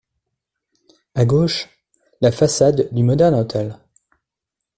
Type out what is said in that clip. A gauche, la façade du Modern-Hôtel.